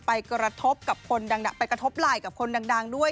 ไปกระทบกับคนดังไปกระทบไหล่กับคนดังด้วย